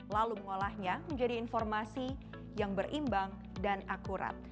lalu mengolahnya menjadi informasi yang berimbang dan akurat